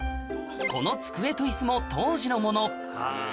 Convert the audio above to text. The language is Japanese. この机と椅子も当時のものえぇ！